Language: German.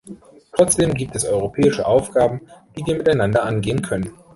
Trotzdem gibt es europäische Aufgaben, die wir miteinander angehen können.